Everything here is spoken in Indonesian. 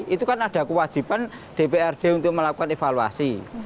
itu kan ada kewajiban dprd untuk melakukan evaluasi